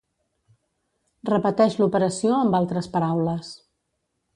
Repeteix l'operació amb altres paraules.